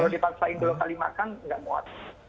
kalau dipaksain dulu kali makan nggak muat